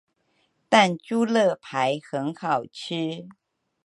但豬肋排很好吃